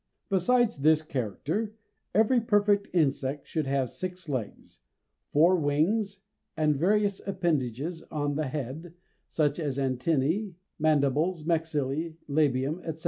Besides this character every perfect insect should have six legs, four wings, and various appendages on the head, such as antennæ, mandibles, maxillæ, labium, etc.